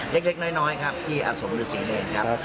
เล็กน้อยครับที่อสมฤษีเนรครับ